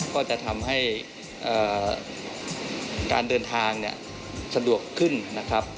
ก็จะทำให้การเดินทางเนี่ยสะดวกขึ้นนะครับ